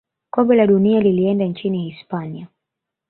kombe la dunia lilienda nchini hispania